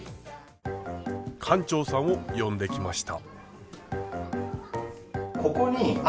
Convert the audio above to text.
館長さんを呼んできました。